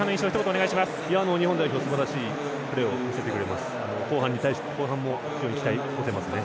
日本代表すばらしいプレーを見せてくれて後半、非常に期待を持てますね。